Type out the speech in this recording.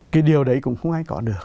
cái điều đấy cũng không ai có được